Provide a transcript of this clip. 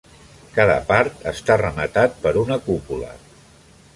Cada part està rematat per una cúpula.